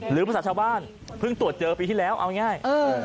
ภาษาชาวบ้านเพิ่งตรวจเจอปีที่แล้วเอาง่าย